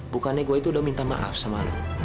bukannya gue itu udah minta maaf sama lo